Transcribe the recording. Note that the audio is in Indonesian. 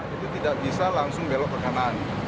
itu tidak bisa langsung belok ke kanan